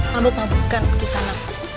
mabuk mabukan di sana